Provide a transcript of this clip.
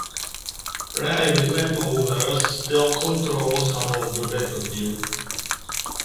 Private landowners still control some of the battlefield.